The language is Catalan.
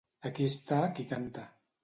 Aquí està qui canta.